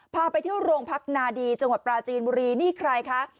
พาไปเที่ยวโรงพักนาดีจังหวัดปราจีนบุรีนี่ใครคะ